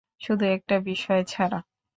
শুধু একটা বিষয় ছাড়া।